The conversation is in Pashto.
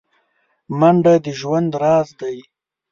منډه د ژوند راز دی